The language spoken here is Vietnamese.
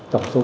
trọng số bốn